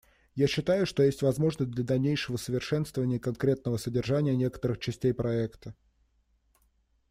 Я считаю, что есть возможность для дальнейшего совершенствования конкретного содержания некоторых частей проекта.